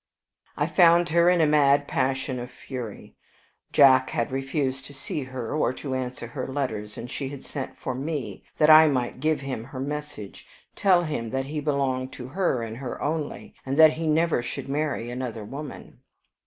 I found her in a mad passion of fury. Jack had refused to see her or to answer her letters, and she had sent for me, that I might give him her message, tell him that he belonged to her and her only, and that he never should marry another woman.